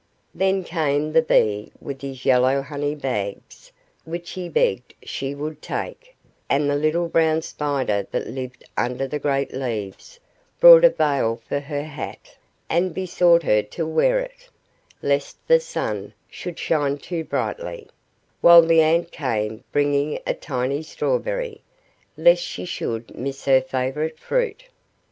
Then came the bee with his yellow honey bags, which he begged she would take, and the little brown spider that lived under the great leaves brought a veil for her hat, and besought her to wear it, lest the sun should shine too brightly; while the ant came bringing a tiny strawberry, lest she should miss her favorite fruit.